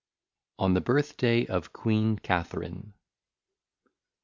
On the Birth day of Queen Katherine.